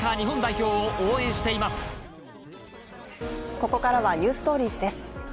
ここから「ｎｅｗｓｔｏｒｉｅｓ」です。